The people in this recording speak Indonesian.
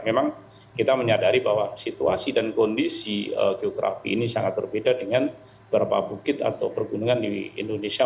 memang kita menyadari bahwa situasi dan kondisi geografi ini sangat berbeda dengan beberapa bukit atau pergunungan di indonesia